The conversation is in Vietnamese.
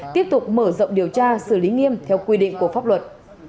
tiếp tục mở rộng điều tra xử lý nghiêm theo quy định của pháp luật